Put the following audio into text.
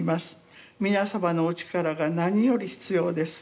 皆様のお力が何より必要です。